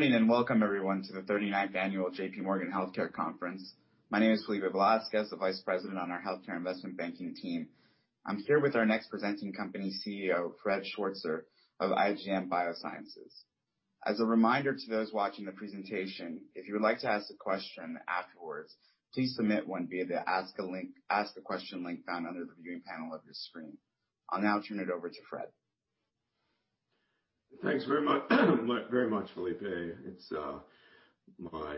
Morning, and welcome everyone to the 39th annual JPMorgan Healthcare Conference. My name is Felipe Velásquez, the Vice President on our Healthcare Investment Banking team. I'm here with our next presenting company, CEO Fred Schwarzer of IGM Biosciences. As a reminder to those watching the presentation, if you would like to ask a question afterwards, please submit one via the Ask a Question link found under the viewing panel of your screen. I'll now turn it over to Fred. Thanks very much, Felipe. It's my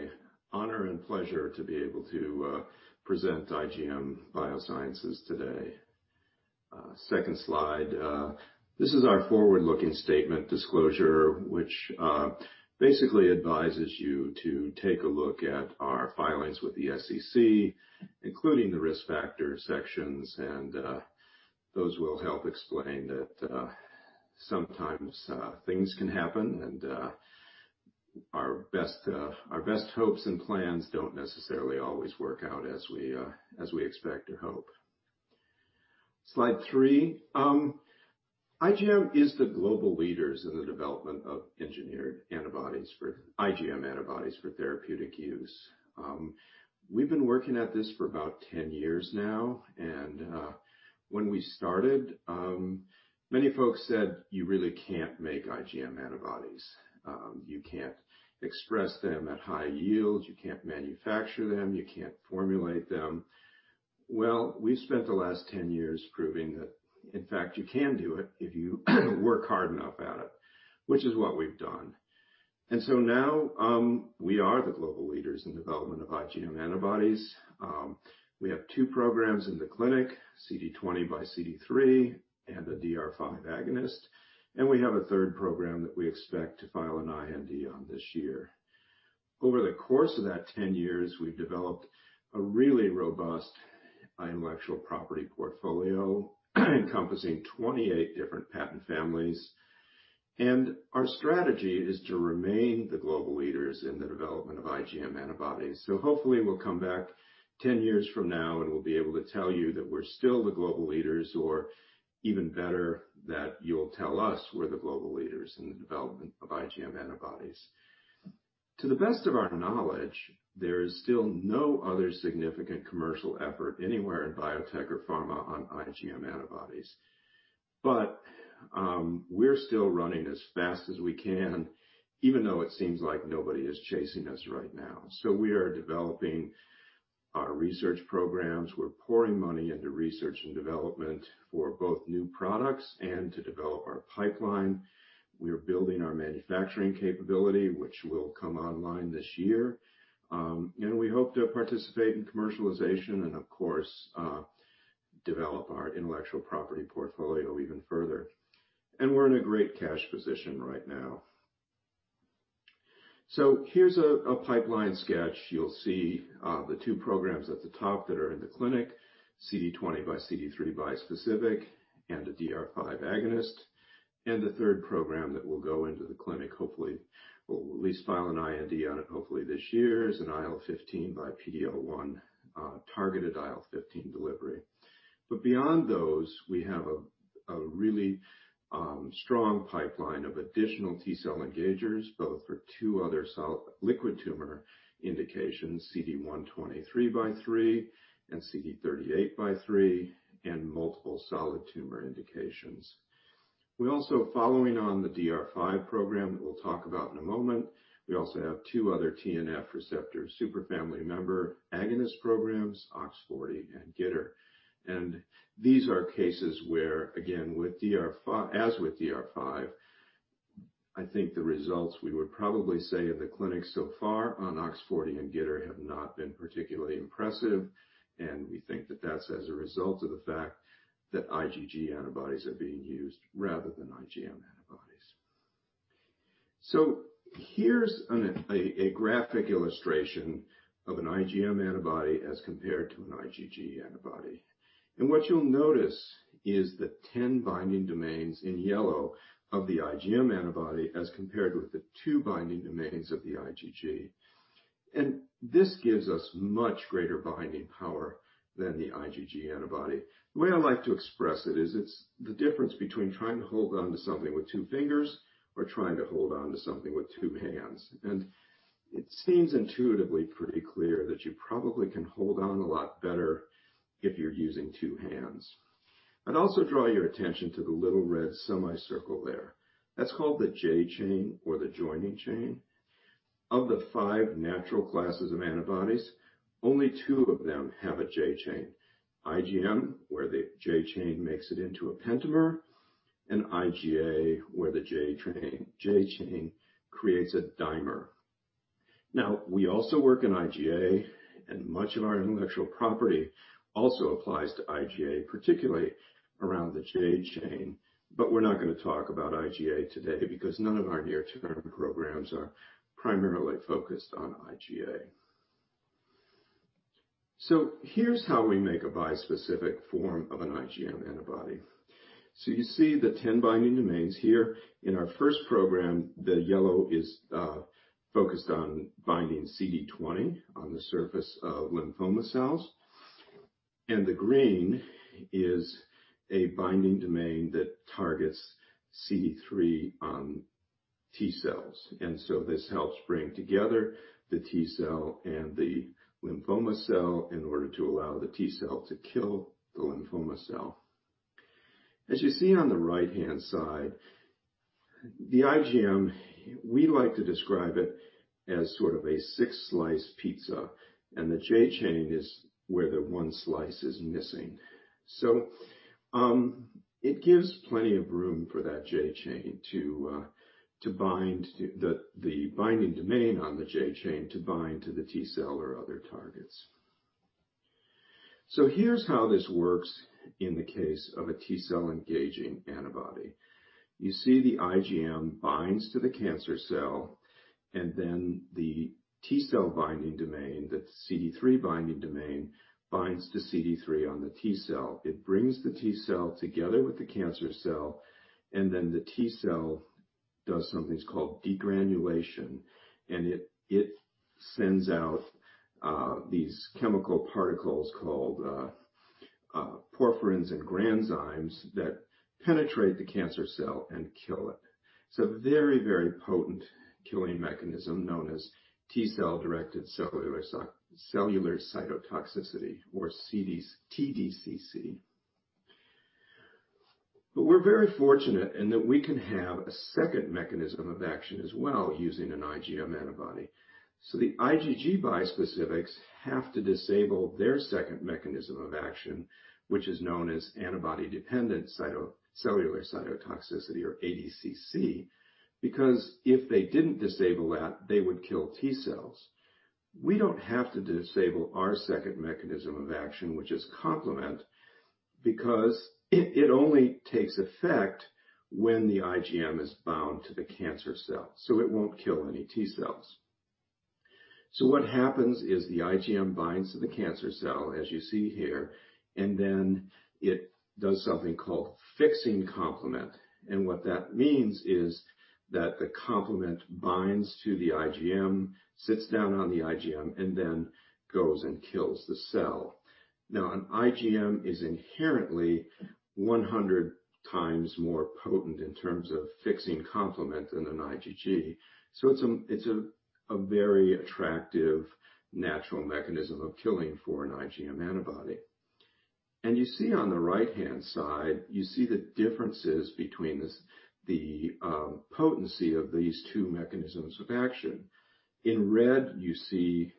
honor and pleasure to be able to present IGM Biosciences today. Second slide. This is our forward-looking statement disclosure, which basically advises you to take a look at our filings with the SEC, including the risk factor sections, and those will help explain that sometimes things can happen, and our best hopes and plans don't necessarily always work out as we expect or hope. Slide three. IGM is the global leader in the development of engineered IgM antibodies for therapeutic use. We've been working at this for about 10 years now. When we started, many folks said, "You really can't make IgM antibodies. You can't express them at high yields. You can't manufacture them. You can't formulate them." Well, we've spent the last 10 years proving that, in fact, you can do it if you work hard enough at it. Which is what we've done. Now, we are the global leaders in development of IgM antibodies. We have two programs in the clinic, CD20 by CD3, and a DR5 agonist, and we have a third program that we expect to file an IND on this year. Over the course of that 10 years, we've developed a really robust intellectual property portfolio encompassing 28 different patent families. Our strategy is to remain the global leaders in the development of IgM antibodies. Hopefully we'll come back 10 years from now, and we'll be able to tell you that we're still the global leaders, or even better, that you'll tell us we're the global leaders in the development of IgM antibodies. To the best of our knowledge, there is still no other significant commercial effort anywhere in biotech or pharma on IgM antibodies. We're still running as fast as we can, even though it seems like nobody is chasing us right now. We are developing our research programs. We're pouring money into research and development for both new products and to develop our pipeline. We are building our manufacturing capability, which will come online this year. We hope to participate in commercialization and of course, develop our intellectual property portfolio even further. We're in a great cash position right now. Here's a pipeline sketch. You'll see the two programs at the top that are in the clinic, CD20 by CD3 bispecific, and a DR5 agonist. The third program that will go into the clinic hopefully, we'll at least file an IND on it hopefully this year, is an IL-15 by PD-L1, targeted IL-15 delivery. Beyond those, we have a really strong pipeline of additional T-cell engagers, both for two other solid liquid tumor indications, CD123x3 and CD38x3, and multiple solid tumor indications. Following on the DR5 program that we'll talk about in a moment, we also have two other TNF receptor superfamily member agonist programs, OX40 and GITR. These are cases where, again, as with DR5, I think the results, we would probably say in the clinic so far on OX40 and GITR have not been particularly impressive. We think that that's as a result of the fact that IgG antibodies are being used rather than IgM antibodies. Here's a graphic illustration of an IgM antibody as compared to an IgG antibody. What you'll notice is the 10 binding domains in yellow of the IgM antibody, as compared with the two binding domains of the IgG. This gives us much greater binding power than the IgG antibody. The way I like to express it is, it's the difference between trying to hold onto something with two fingers or trying to hold onto something with two hands. It seems intuitively pretty clear that you probably can hold on a lot better if you're using two hands. I'd also draw your attention to the little red semicircle there. That's called the J chain or the joining chain. Of the five natural classes of antibodies, only two of them have a J chain, IgM, where the J chain makes it into a pentamer, and IgA, where the J chain creates a dimer. Now, we also work in IgA, and much of our intellectual property also applies to IgA, particularly around the J chain. We're not going to talk about IgA today because none of our near-term programs are primarily focused on IgA. Here's how we make a bispecific form of an IgM antibody. You see the 10 binding domains here. In our first program, the yellow is focused on binding CD20 on the surface of lymphoma cells. The green is a binding domain that targets CD3 on T-cells. This helps bring together the T-cell and the lymphoma cell in order to allow the T-cell to kill the lymphoma cell. As you see on the right-hand side, the IgM, we like to describe it as sort of a six-slice pizza, and the J-chain is where the one slice is missing. It gives plenty of room for the binding domain on the J-chain to bind to the T-cell or other targets. Here's how this works in the case of a T-cell engaging antibody. You see the IgM binds to the cancer cell, the T-cell binding domain, the CD3 binding domain, binds to CD3 on the T-cell. It brings the T-cell together with the cancer cell, the T-cell does something that's called degranulation. It sends out these chemical particles called perforins and granzymes that penetrate the cancer cell and kill it. It's a very potent killing mechanism known as T-cell directed cellular cytotoxicity or TDCC. We're very fortunate in that we can have a second mechanism of action as well using an IgM antibody. The IgG bispecifics have to disable their second mechanism of action, which is known as antibody-dependent cellular cytotoxicity or ADCC. Because if they didn't disable that, they would kill T-cells. We don't have to disable our second mechanism of action, which is complement, because it only takes effect when the IgM is bound to the cancer cell, so it won't kill any T-cells. What happens is the IgM binds to the cancer cell, as you see here, and then it does something called fixing complement. What that means is that the complement binds to the IgM, sits down on the IgM, and then goes and kills the cell. An IgM is inherently 100 times more potent in terms of fixing complement than an IgG. It's a very attractive natural mechanism of killing for an IgM antibody. You see on the right-hand side, you see the differences between the potency of these two mechanisms of action. In red, you see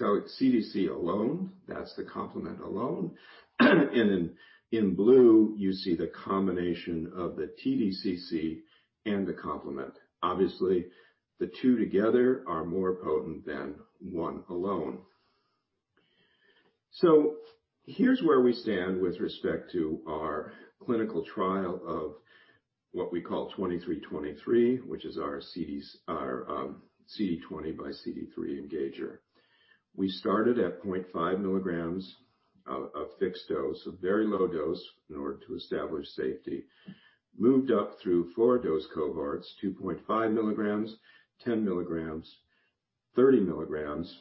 CDC alone, that's the complement alone. In blue, you see the combination of the TDCC and the complement. Obviously, the two together are more potent than one alone. Here's where we stand with respect to our clinical trial of what we call IGM-2323, which is our CD20 by CD3 engager. We started at 0.5 mg of fixed dose, a very low dose in order to establish safety. Moved up through four dose cohorts, 2.5 mg, 10 mg, 30 mg,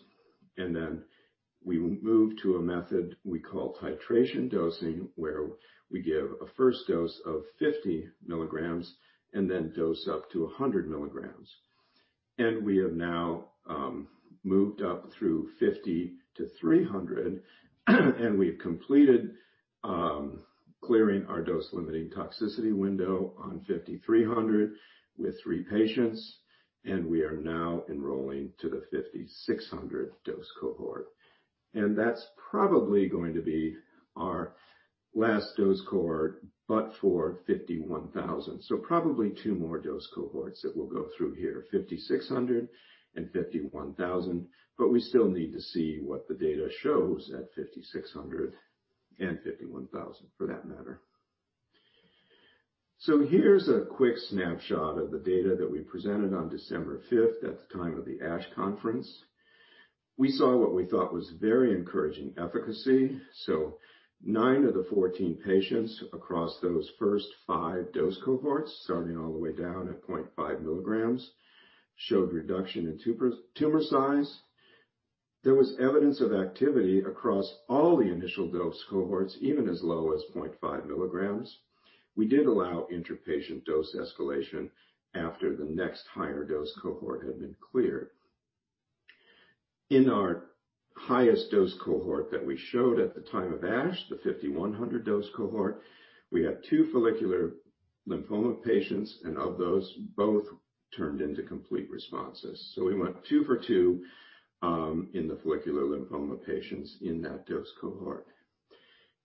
and then we moved to a method we call titration dosing, where we give a first dose of 50 mg and then dose up to 100 mg. We have now moved up through 50-300 mg and we've completed clearing our dose-limiting toxicity window on 50-300 mg with three patients, and we are now enrolling to the 50-600 mg dose cohort. That's probably going to be our last dose cohort, but for 50-1000 mg. Probably two more dose cohorts that we'll go through here, 50-600 mg and 50-1000 mg, but we still need to see what the data shows at 50-600 mg and 50-1000 mg for that matter. Here's a quick snapshot of the data that we presented on December 5th at the time of the ASH conference. We saw what we thought was very encouraging efficacy. Nine of the 14 patients across those first five dose cohorts, starting all the way down at 0.5 mg, showed reduction in tumor size. There was evidence of activity across all the initial dose cohorts, even as low as 0.5 mg. We did allow intrapatient dose escalation after the next higher dose cohort had been cleared. In our highest dose cohort that we showed at the time of ASH, the 50-100 mg dose cohort, we have two follicular lymphoma patients, and of those, both turned into complete responses. We went two for two in the follicular lymphoma patients in that dose cohort.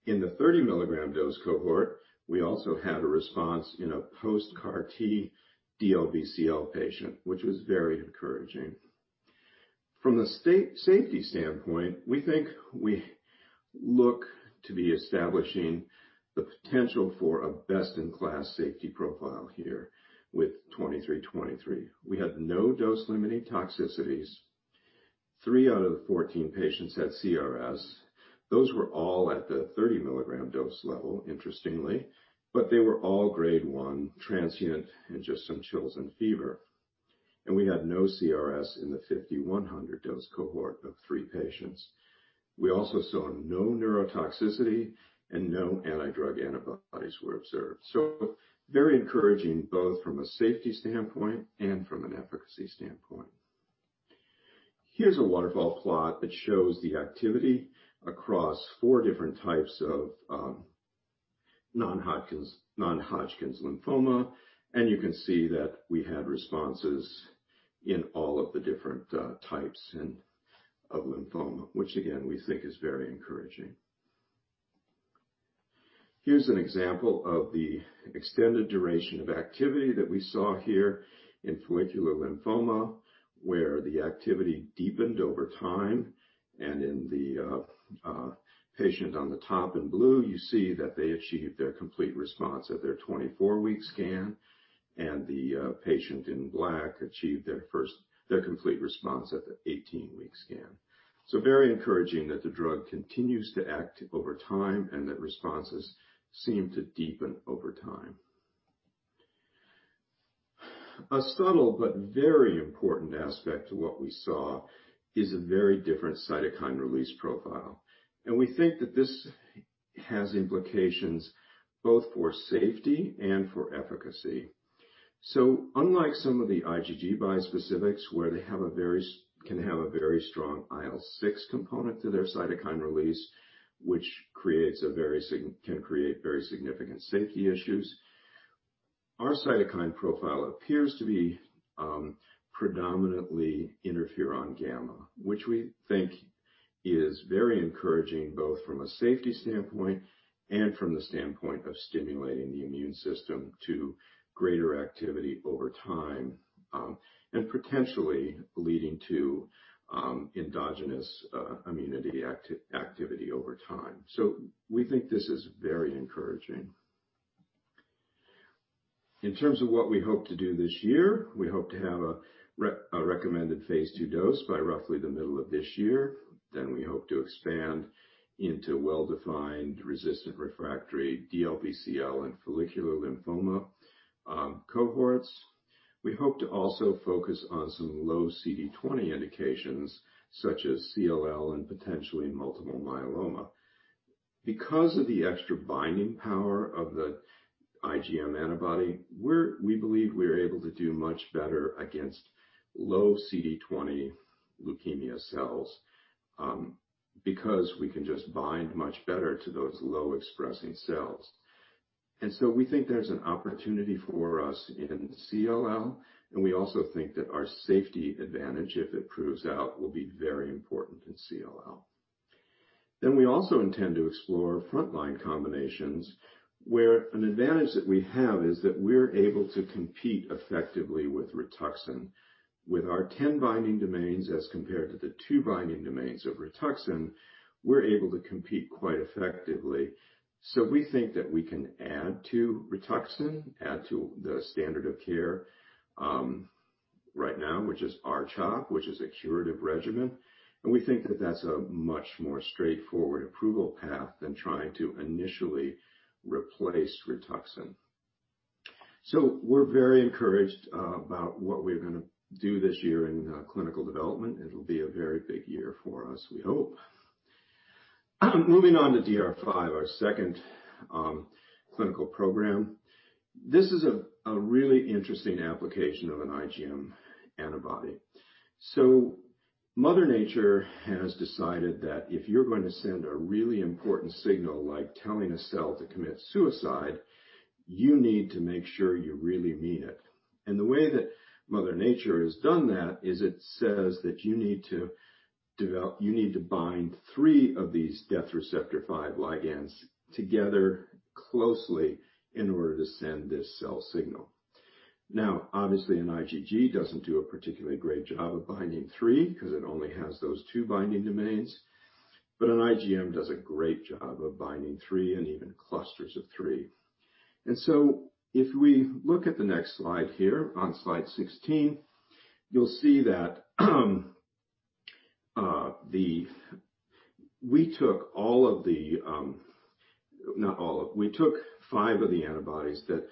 In the 30-mg dose cohort, we also had a response in a post-CAR T DLBCL patient, which was very encouraging. From the safety standpoint, we think we look to be establishing the potential for a best-in-class safety profile here with 2323. We had no dose-limiting toxicities. Three out of the 14 patients had CRS. Those were all at the 30-mg dose level, interestingly, but they were all Grade 1 transient and just some chills and fever. We had no CRS in the 50-100 mg dose cohort of three patients. We also saw no neurotoxicity and no anti-drug antibodies were observed. Very encouraging, both from a safety standpoint and from an efficacy standpoint. Here's a waterfall plot that shows the activity across four different types of non-Hodgkin's lymphoma, and you can see that we had responses in all of the different types of lymphoma, which again, we think is very encouraging. Here's an example of the extended duration of activity that we saw here in follicular lymphoma, where the activity deepened over time. In the patient on the top in blue, you see that they achieved their complete response at their 24-week scan, and the patient in black achieved their complete response at the 18-week scan. Very encouraging that the drug continues to act over time, and that responses seem to deepen over time. A subtle but very important aspect to what we saw is a very different cytokine release profile, and we think that this has implications both for safety and for efficacy. Unlike some of the IgG bispecifics, where they can have a very strong IL-6 component to their cytokine release, which can create very significant safety issues, our cytokine profile appears to be predominantly interferon gamma, which we think is very encouraging, both from a safety standpoint and from the standpoint of stimulating the immune system to greater activity over time, and potentially leading to endogenous immunity activity over time. We think this is very encouraging. In terms of what we hope to do this year, we hope to have a recommended phase II dose by roughly the middle of this year. We hope to expand into well-defined resistant refractory DLBCL and follicular lymphoma cohorts. We hope to also focus on some low CD20 indications, such as CLL and potentially multiple myeloma. Because of the extra binding power of the IgM antibody, we believe we're able to do much better against low CD20 leukemia cells, because we can just bind much better to those low-expressing cells. We think there's an opportunity for us in CLL, and we also think that our safety advantage, if it proves out, will be very important in CLL. We also intend to explore frontline combinations, where an advantage that we have is that we're able to compete effectively with Rituxan. With our 10 binding domains as compared to the two binding domains of Rituxan, we're able to compete quite effectively. We think that we can add to Rituxan, add to the standard of care right now, which is R-CHOP, which is a curative regimen. We think that that's a much more straightforward approval path than trying to initially replace Rituxan. We're very encouraged about what we're going to do this year in clinical development. It'll be a very big year for us, we hope. Moving on to DR5, our second clinical program. This is a really interesting application of an IgM antibody. Mother Nature has decided that if you're going to send a really important signal, like telling a cell to commit suicide, you need to make sure you really mean it. The way that Mother Nature has done that is it says that you need to bind three of these death receptor 5 ligands together closely in order to send this cell signal. Obviously, an IGG doesn't do a particularly great job of binding three, because it only has those two binding domains. An IgM does a great job of binding three and even clusters of three. If we look at the next slide here on slide 16, you'll see that we took five of the antibodies that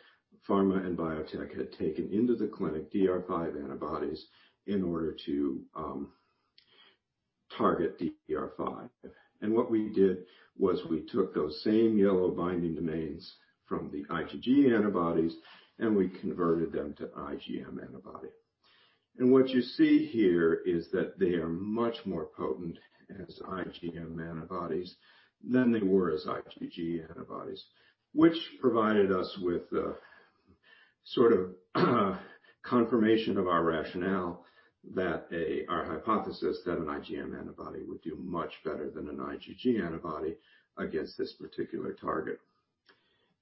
pharma and biotech had taken into the clinic, DR5 antibodies, in order to target DR5. What we did was we took those same yellow binding domains from the IgG antibodies, and we converted them to IgM antibody. What you see here is that they are much more potent as IgM antibodies than they were as IgG antibodies, which provided us with a sort of confirmation of our rationale that our hypothesis that an IgM antibody would do much better than an IgG antibody against this particular target.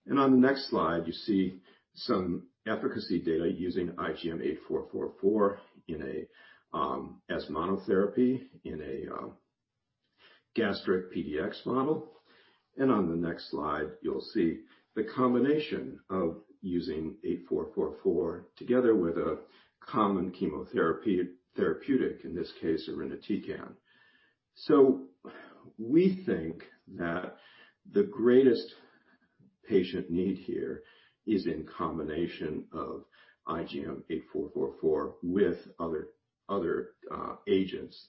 On the next slide, you see some efficacy data using IGM-8444 as monotherapy in a gastric PDX model. On the next slide, you'll see the combination of using 8444 together with a common chemotherapy therapeutic, in this case, irinotecan. We think that the greatest patient need here is in combination of IGM-8444 with other agents,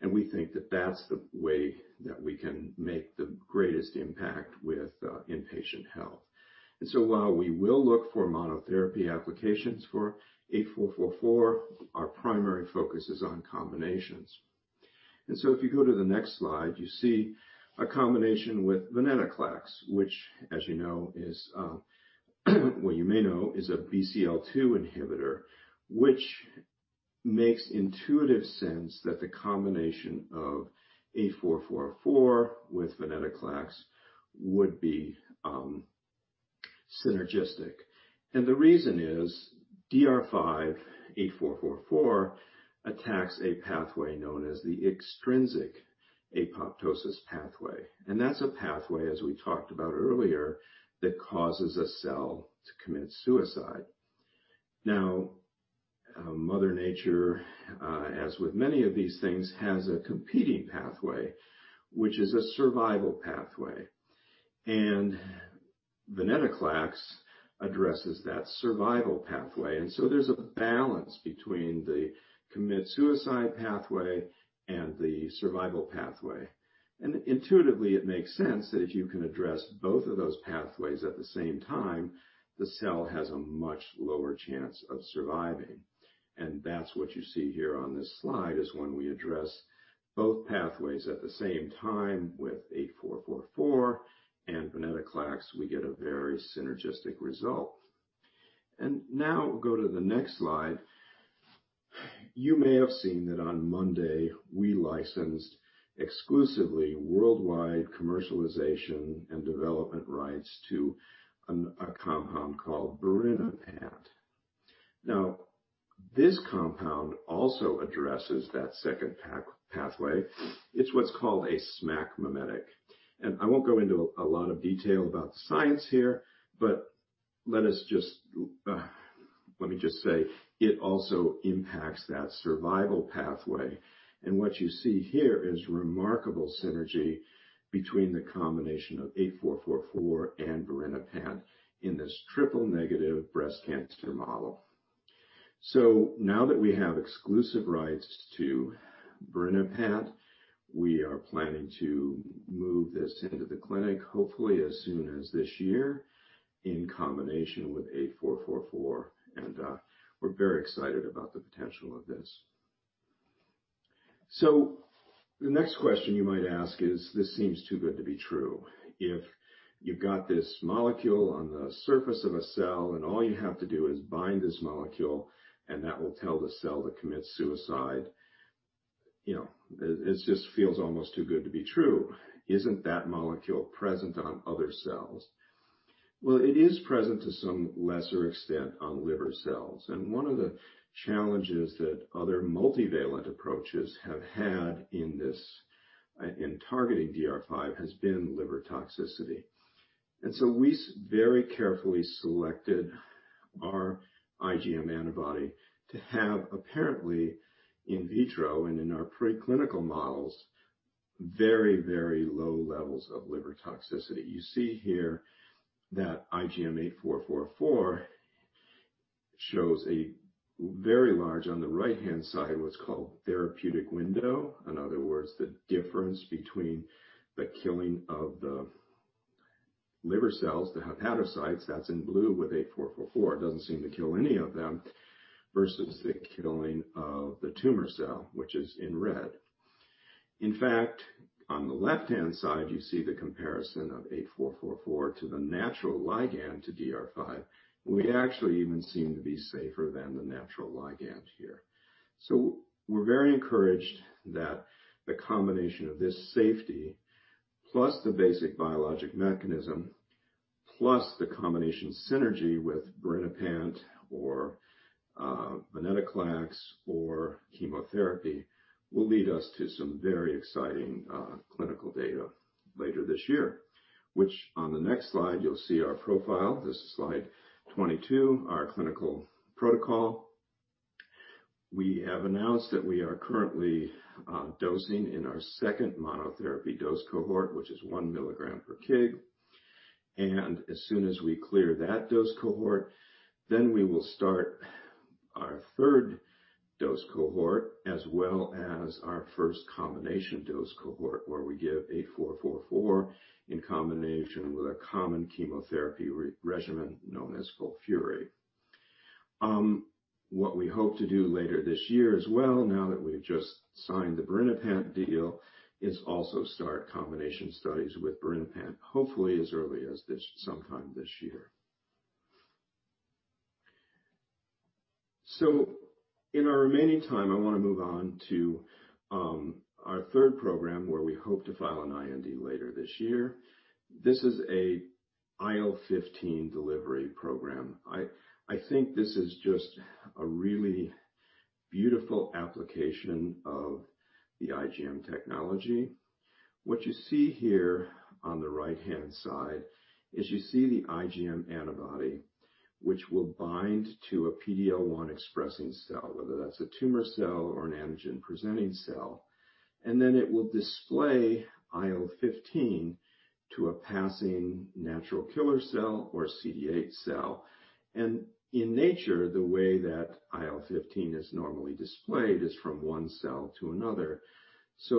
and we think that that's the way that we can make the greatest impact with patient health. While we will look for monotherapy applications for 8444, our primary focus is on combinations. If you go to the next slide, you see a combination with venetoclax, which, you may know, is a BCL-2 inhibitor, which makes intuitive sense that the combination of 8444 with venetoclax would be synergistic. The reason is DR5 8444 attacks a pathway known as the extrinsic apoptosis pathway, and that's a pathway, as we talked about earlier, that causes a cell to commit suicide. Mother Nature, as with many of these things, has a competing pathway, which is a survival pathway, and venetoclax addresses that survival pathway. There's a balance between the commit suicide pathway and the survival pathway. Intuitively, it makes sense that if you can address both of those pathways at the same time, the cell has a much lower chance of surviving. That's what you see here on this slide, is when we address both pathways at the same time with IGM-8444 and venetoclax, we get a very synergistic result. Now we'll go to the next slide. You may have seen that on Monday, we licensed exclusively worldwide commercialization and development rights to a compound called birinapant. This compound also addresses that second pathway. It's what's called a SMAC mimetic. I won't go into a lot of detail about the science here, but let me just say it also impacts that survival pathway. What you see here is remarkable synergy between the combination of 8444 and birinapant in this triple-negative breast cancer model. Now that we have exclusive rights to birinapant, we are planning to move this into the clinic, hopefully as soon as this year, in combination with 8444, and we're very excited about the potential of this. The next question you might ask is, this seems too good to be true. If you've got this molecule on the surface of a cell, and all you have to do is bind this molecule, and that will tell the cell to commit suicide. It just feels almost too good to be true. Isn't that molecule present on other cells? Well, it is present to some lesser extent on liver cells, and one of the challenges that other multivalent approaches have had in targeting DR5 has been liver toxicity. We very carefully selected our IgM antibody to have, apparently, in vitro and in our preclinical models, very, very low levels of liver toxicity. You see here that IGM-8444 shows a very large, on the right-hand side, what's called therapeutic window. In other words, the difference between the killing of the liver cells, the hepatocytes, that's in blue with 8444, it doesn't seem to kill any of them, versus the killing of the tumor cell, which is in red. In fact, on the left-hand side, you see the comparison of 8444 to the natural ligand to DR5. We actually even seem to be safer than the natural ligand here. We're very encouraged that the combination of this safety, plus the basic biologic mechanism, plus the combination synergy with birinapant or venetoclax or chemotherapy, will lead us to some very exciting clinical data later this year. On the next slide, you'll see our profile. This is slide 22, our clinical protocol. We have announced that we are currently dosing in our second monotherapy dose cohort, which is 1 mg per kg. As soon as we clear that dose cohort, we will start our third dose cohort, as well as our first combination dose cohort, where we give IGM-8444 in combination with a common chemotherapy regimen known as FOLFIRI. What we hope to do later this year as well, now that we've just signed the birinapant deal, is also start combination studies with birinapant, hopefully as early as sometime this year. In our remaining time, I want to move on to our third program, where we hope to file an IND later this year. This is a IL-15 delivery program. I think this is just a really beautiful application of the IGM technology. What you see here on the right-hand side is you see the IgM antibody which will bind to a PD-L1-expressing cell, whether that's a tumor cell or an antigen-presenting cell, and then it will display IL-15 to a passing natural killer cell or CD8 cell. In nature, the way that IL-15 is normally displayed is from one cell to another.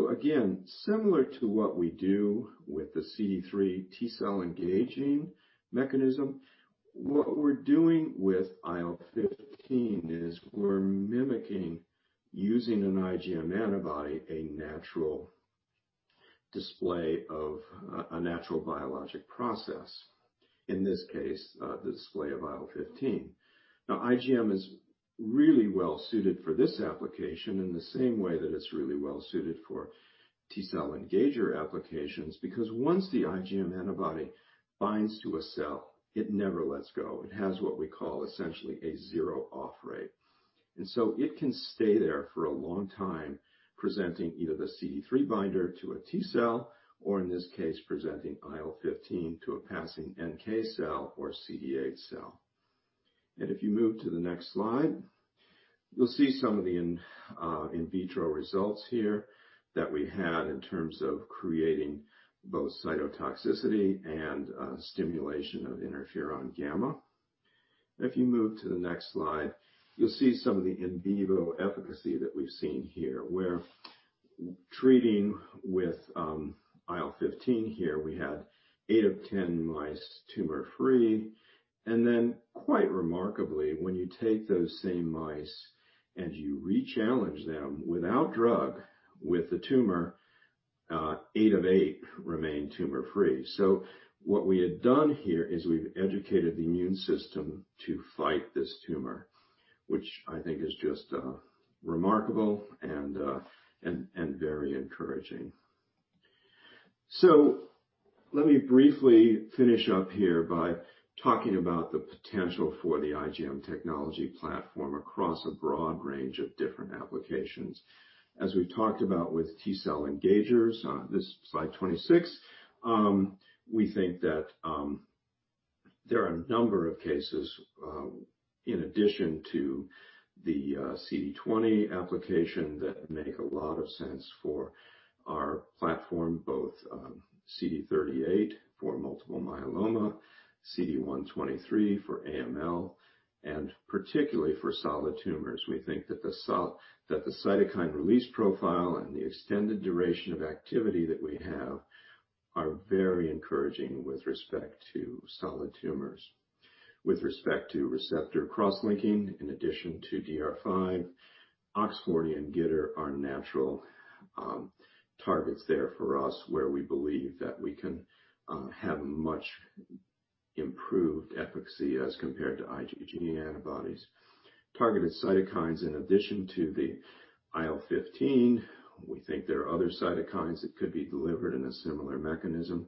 Again, similar to what we do with the CD3 T-cell engaging mechanism, what we're doing with IL-15 is we're mimicking using an IgM antibody, a natural display of a natural biologic process. In this case, the display of IL-15. IGM is really well-suited for this application in the same way that it's really well-suited for T-cell engager applications, because once the IgM antibody binds to a cell, it never lets go. It has what we call essentially a zero off-rate. It can stay there for a long time, presenting either the CD3 binder to a T-cell, or in this case, presenting IL-15 to a passing NK cell or CD8 cell. If you move to the next slide, you'll see some of the in vitro results here that we had in terms of creating both cytotoxicity and stimulation of interferon gamma. If you move to the next slide, you'll see some of the in vivo efficacy that we've seen here, where treating with IL-15 here, we had eight of 10 mice tumor-free. Quite remarkably, when you take those same mice and you rechallenge them without drug with the tumor, eight of eight remain tumor-free. What we had done here is we've educated the immune system to fight this tumor, which I think is just remarkable and very encouraging. Let me briefly finish up here by talking about the potential for the IGM technology platform across a broad range of different applications. As we've talked about with T-cell engagers, this is slide 26, we think that there are a number of cases in addition to the CD20 application that make a lot of sense for our platform, both CD38 for multiple myeloma, CD123 for AML, and particularly for solid tumors. We think that the cytokine release profile and the extended duration of activity that we have are very encouraging with respect to solid tumors. With respect to receptor cross-linking, in addition to DR5, OX40 and GITR are natural targets there for us where we believe that we can have much improved efficacy as compared to IgG antibodies. Targeted cytokines, in addition to the IL-15, we think there are other cytokines that could be delivered in a similar mechanism.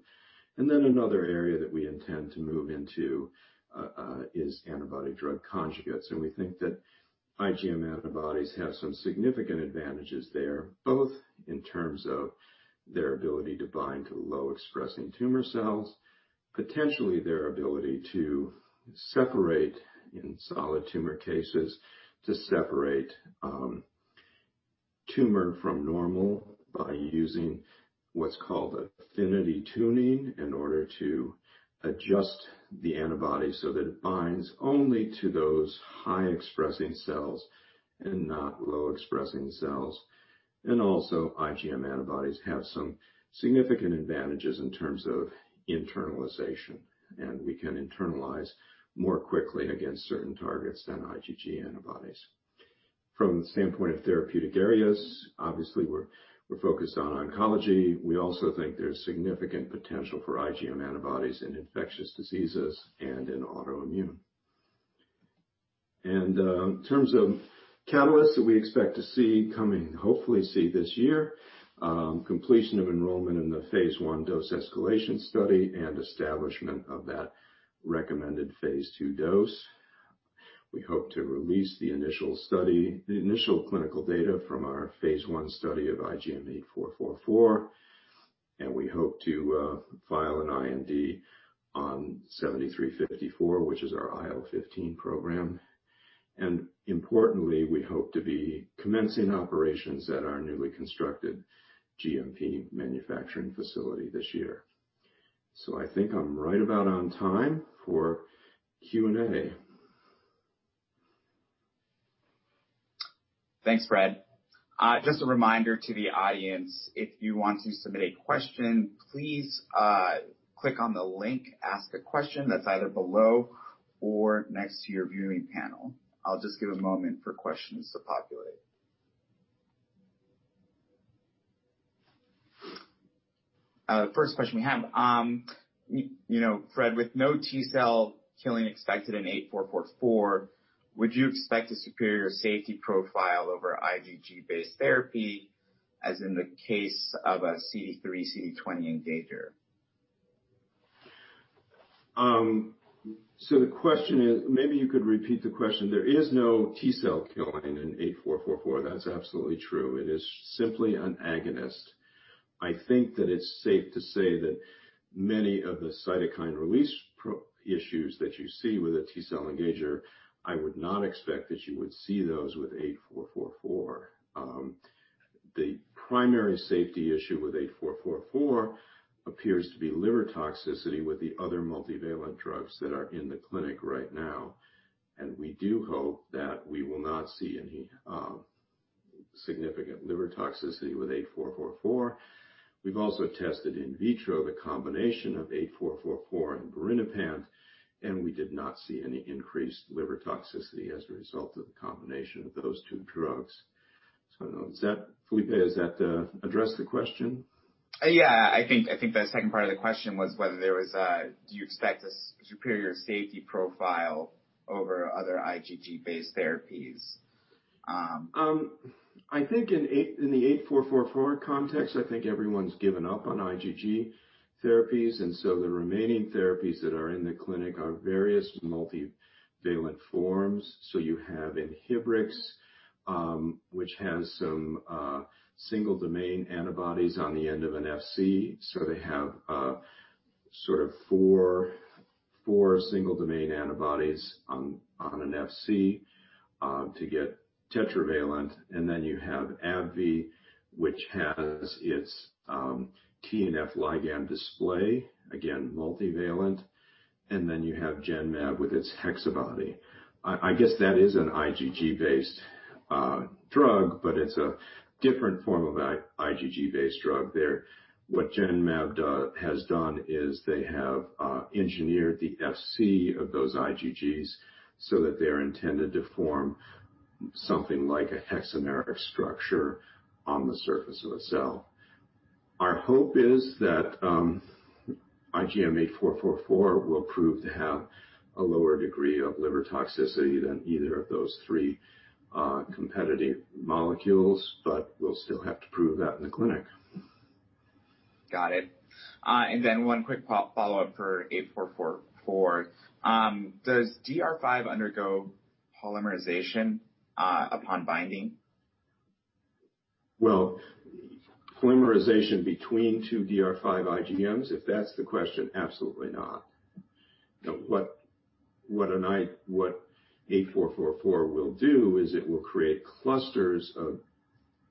Another area that we intend to move into is antibody-drug conjugates. We think that IgM antibodies have some significant advantages there, both in terms of their ability to bind to low-expressing tumor cells, potentially their ability to separate in solid tumor cases, to separate tumor from normal by using what's called affinity tuning in order to adjust the antibody so that it binds only to those high-expressing cells and not low-expressing cells. Also IgM antibodies have some significant advantages in terms of internalization, and we can internalize more quickly against certain targets than IgG antibodies. From the standpoint of therapeutic areas, obviously, we're focused on oncology. We also think there's significant potential for IgM antibodies in infectious diseases and in autoimmune. In terms of catalysts that we expect to see coming, hopefully see this year, completion of enrollment in the phase I dose escalation study and establishment of that recommended phase II dose. We hope to release the initial clinical data from our phase I study of IGM-8444, and we hope to file an IND on IGM-7354, which is our IL-15 program. Importantly, we hope to be commencing operations at our newly constructed GMP manufacturing facility this year. I think I'm right about on time for Q&A. Thanks, Fred. Just a reminder to the audience, if you want to submit a question, please click on the link, Ask a Question, that's either below or next to your viewing panel. I'll just give a moment for questions to populate. First question we have. Fred, with no T-cell killing expected in 8444, would you expect a superior safety profile over IgG-based therapy, as in the case of a CD3, CD20 engager? The question is- maybe you could repeat the question. There is no T-cell killing in IGM-8444. That's absolutely true. It is simply an agonist. I think that it's safe to say that many of the cytokine release issues that you see with a T-cell engager, I would not expect that you would see those with IGM-8444. The primary safety issue with IGM-8444 appears to be liver toxicity with the other multivalent drugs that are in the clinic right now, and we do hope that we will not see any significant liver toxicity with IGM-8444. We've also tested in vitro the combination of IGM-8444 and birinapant, and we did not see any increased liver toxicity as a result of the combination of those two drugs. I don't know. Felipe, does that address the question? Yeah. I think the second part of the question was whether do you expect a superior safety profile over other IgG-based therapies? I think in the 8444 context, I think everyone's given up on IgG therapies, the remaining therapies that are in the clinic are various multivalent forms. You have Inhibrx, which has some single-domain antibodies on the end of an Fc. They have four single-domain antibodies on an Fc to get tetravalent. You have AbbVie, which has its TNF ligand display, again, multivalent. You have Genmab with its HexaBody. I guess that is an IgG-based drug, but it's a different form of an IgG-based drug there. What Genmab has done is they have engineered the Fc of those IgGs so that they're intended to form something like a hexameric structure on the surface of a cell. Our hope is that IGM-8444 will prove to have a lower degree of liver toxicity than either of those three competitive molecules, but we'll still have to prove that in the clinic. Got it. One quick follow-up for 8444. Does DR5 undergo polymerization upon binding? Well, polymerization between two DR5 IgMs, if that's the question, absolutely not. What 8444 will do is it will create clusters of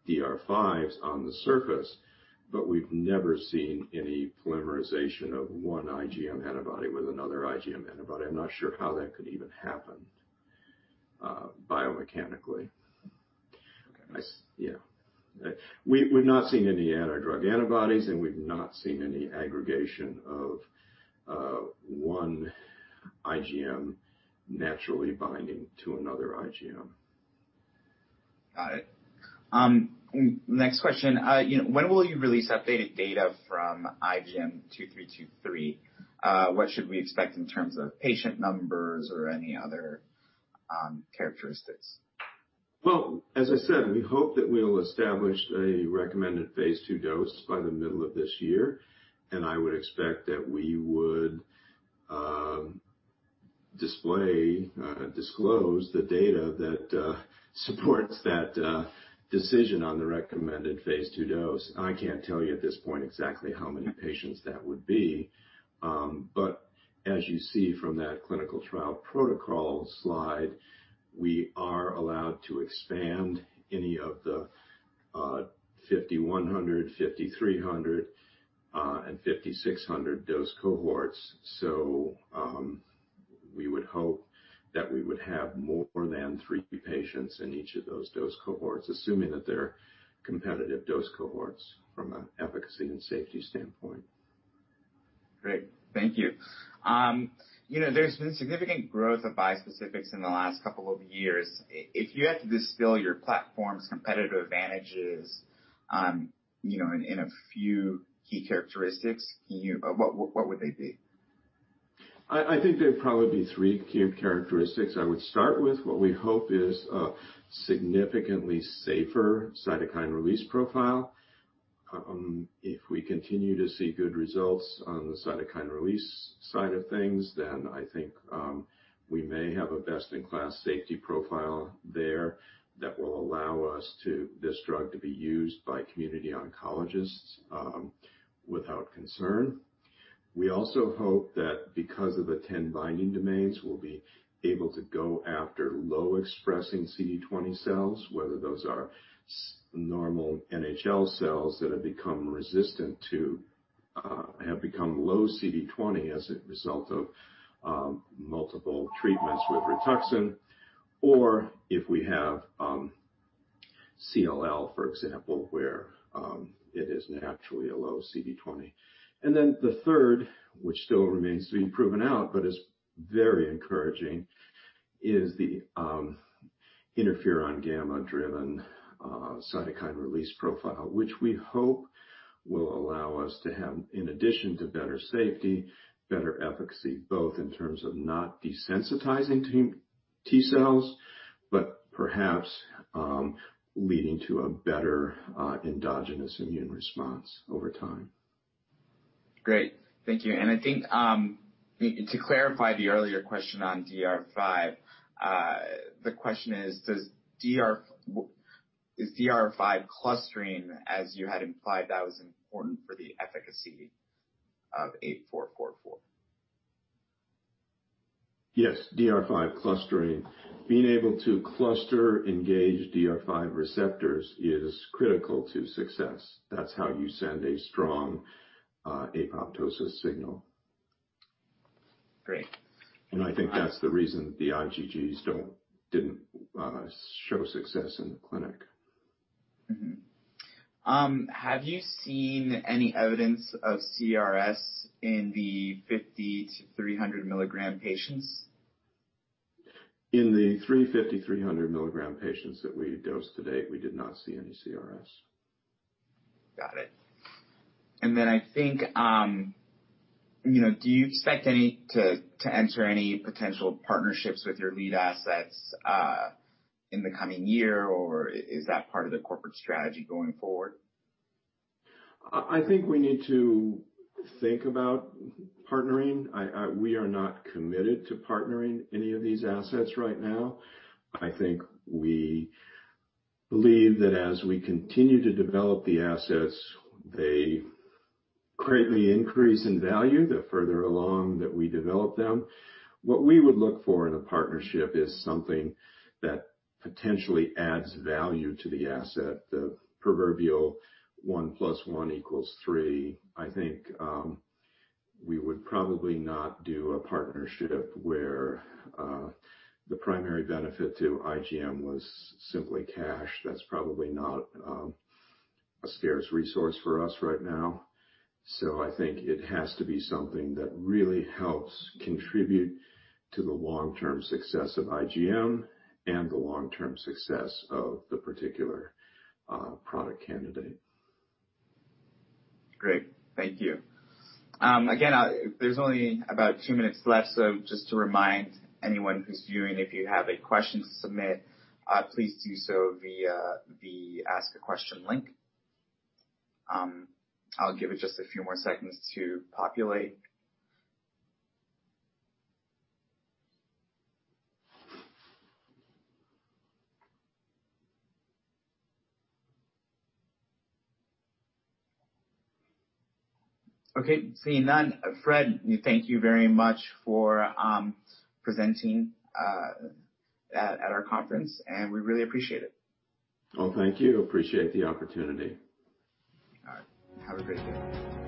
DR5s on the surface, but we've never seen any polymerization of one IgM antibody with another IgM antibody. I'm not sure how that could even happen biomechanically. Okay. Yeah. We've not seen any anti-drug antibodies, and we've not seen any aggregation of one IgM naturally binding to another IgM. Got it. Next question. When will you release updated data from IGM-2323? What should we expect in terms of patient numbers or any other characteristics? Well, as I said, we hope that we'll establish a recommended phase II dose by the middle of this year, and I would expect that we would display, disclose the data that supports that decision on the recommended phase II dose. I can't tell you at this point exactly how many patients that would be. As you see from that clinical trial protocol slide, we are allowed to expand any of the 50-100 mg, 50-300 mg, and 50-600 mg dose cohorts. We would hope that we would have more than three patients in each of those dose cohorts, assuming that they're competitive dose cohorts from an efficacy and safety standpoint. Great. Thank you. There's been significant growth of bispecifics in the last couple of years. If you had to distill your platform's competitive advantages in a few key characteristics, what would they be? I think there'd probably be three key characteristics. I would start with what we hope is a significantly safer cytokine release profile. If we continue to see good results on the cytokine release side of things, then I think we may have a best-in-class safety profile there that will allow this drug to be used by community oncologists without concern. We also hope that because of the 10 binding domains, we'll be able to go after low-expressing CD20 cells, whether those are normal NHL cells that have become low CD20 as a result of multiple treatments with Rituxan, or if we have CLL, for example, where it is naturally a low CD20. The third, which still remains to be proven out but is very encouraging, is the interferon gamma-driven cytokine release profile, which we hope will allow us to have, in addition to better safety, better efficacy, both in terms of not desensitizing T-cells, but perhaps leading to a better endogenous immune response over time. Great. Thank you. To clarify the earlier question on DR5. The question is, is DR5 clustering as you had implied that was important for the efficacy of 8444? Yes. DR5 clustering. Being able to cluster engage DR5 receptors is critical to success. That's how you send a strong apoptosis signal. Great. I think that's the reason the IgGs didn't show success in the clinic. Mm-hmm. Have you seen any evidence of CRS in the 50-300 mg patients? In the three 50-300 mg patients that we dosed to date, we did not see any CRS. Got it. I think, do you expect to enter any potential partnerships with your lead assets in the coming year, or is that part of the corporate strategy going forward? I think we need to think about partnering. We are not committed to partnering any of these assets right now. I think we believe that as we continue to develop the assets, they greatly increase in value the further along that we develop them. What we would look for in a partnership is something that potentially adds value to the asset, the proverbial 1 + 1 = 3. I think, we would probably not do a partnership where the primary benefit to IGM was simply cash. That's probably not a scarce resource for us right now. I think it has to be something that really helps contribute to the long-term success of IGM and the long-term success of the particular product candidate. Great. Thank you. Again, there's only about two minutes left, so just to remind anyone who's viewing, if you have a question to submit, please do so via the Ask a Question link. I'll give it just a few more seconds to populate. Okay. Seeing none. Fred, thank you very much for presenting at our conference, and we really appreciate it. Oh, thank you. Appreciate the opportunity. All right. Have a great day.